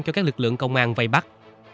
cho các lực lượng công an vây bắt